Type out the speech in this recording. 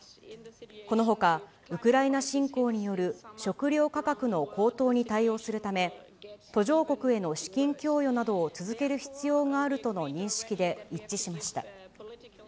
このほか、ウクライナ侵攻による食料価格の高騰に対応するため、途上国への資金供与などを続ける必要があるとの認識で一致しました。